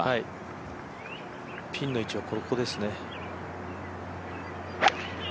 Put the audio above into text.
ピンの位置はここですね。